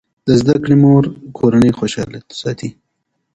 د زده کړې مور کورنۍ خوشاله ساتي.